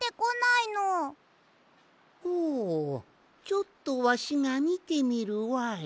ちょっとわしがみてみるわい。